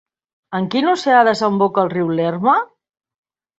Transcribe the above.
En quin oceà desemboca el riu Lerma?